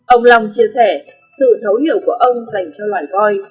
ông long chia sẻ sự thấu hiểu của ông dành cho loài coi